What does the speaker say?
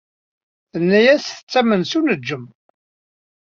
Tenna-yas tettamen s uneǧǧem.